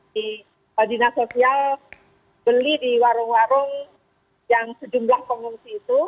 di dinas sosial beli di warung warung yang sejumlah pengungsi itu